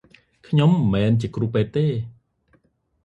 ខ្ញុំមិនមែនជា គ្រូពេទ្យទេ ។